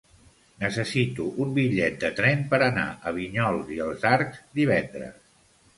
Necessito un bitllet de tren per anar a Vinyols i els Arcs divendres.